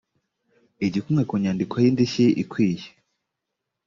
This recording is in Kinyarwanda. igikumwe ku nyandiko y indishyi ikwiye